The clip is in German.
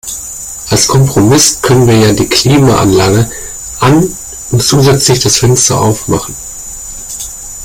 Als Kompromiss können wir ja die Klimaanlage an und zusätzlich das Fenster auf machen.